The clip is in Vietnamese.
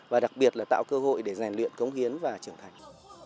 và đặc biệt là tạo cơ hội để rèn luyện cống hiến và trưởng thành